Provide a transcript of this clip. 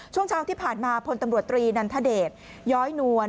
ช่วงเช้าที่ผ่านมาพลตำรวจตรีนันทเดชย้อยนวล